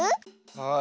はい！